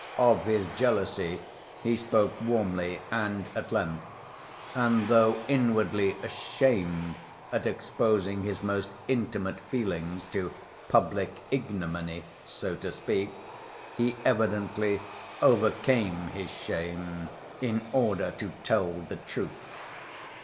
Of his jealousy he spoke warmly and at length, and though inwardly ashamed at exposing his most intimate feelings to "public ignominy," so to speak, he evidently overcame his shame in order to tell the truth.